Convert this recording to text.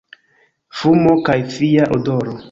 Fumo kaj fia odoro.